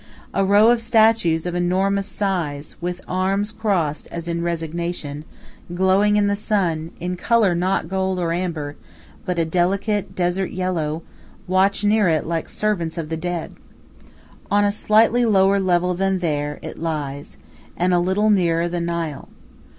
A row of statues of enormous size, with arms crossed as if in resignation, glowing in the sun, in color not gold or amber, but a delicate, desert yellow, watch near it like servants of the dead. On a slightly lower level than there it lies, and a little nearer the Nile.